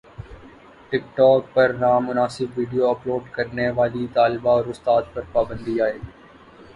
ٹک talk پر نامناسب video upload کرنے والی طالبہ اور استاد پر پابندی عائد